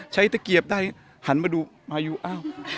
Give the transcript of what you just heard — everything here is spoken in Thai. ตะเกียบได้หันมาดูพายุอ้าว